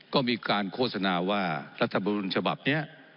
ก็มีการโฆษณาว่ารัฐบุญฉบับนี้